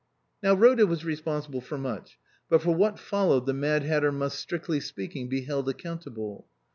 Now Rhoda was responsible for much, but for what followed the Mad Hatter must, strictly speaking, be held accountable.